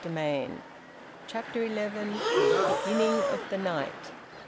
VOLUME FOUR, CHAPTER ELEVEN. BEGINNING OF THE NIGHT.